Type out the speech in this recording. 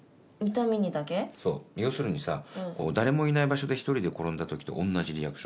そう要するにさ誰もいない場所で１人で転んだ時と同じリアクション。